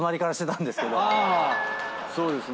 そうですね。